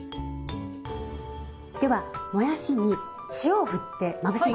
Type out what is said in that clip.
ではもやしに塩をふってまぶします。